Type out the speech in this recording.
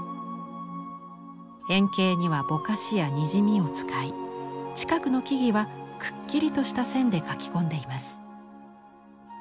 遠景にはぼかしやにじみを使い近くの木々はくっきりとした線で描き込んでいます。